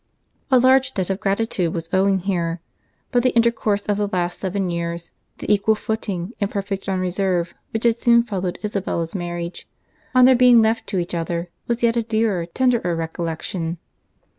A large debt of gratitude was owing here; but the intercourse of the last seven years, the equal footing and perfect unreserve which had soon followed Isabella's marriage, on their being left to each other, was yet a dearer, tenderer recollection.